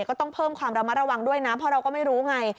ก็ต้องเพิ่มความระมัดระวังด้วยนะเพราะเราก็ไม่รู้ไง